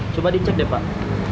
coba dicek deh pak